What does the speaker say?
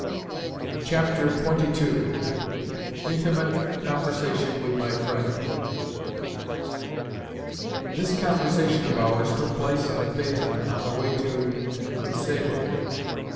XXII. INTIMATE CONVERSATION WITH MY FRIEND THIS conversation of ours took place in a phaeton on the way to Kuntsevo.